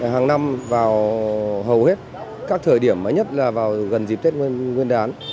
hàng năm vào hầu hết các thời điểm nhất là vào gần dịp tết nguyên đán